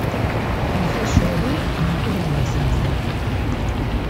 Prozesu hori naturala izan zen.